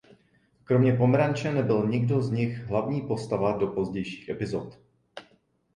Kromě Pomeranče nebyl nikdo z nich hlavní postava do pozdějších epizod.